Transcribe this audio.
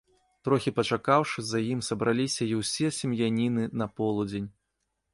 Трохі пачакаўшы, за ім сабраліся й усе сем'яніны на полудзень.